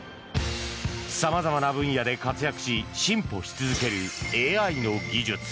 様々な分野で活躍し進歩し続けるＡＩの技術。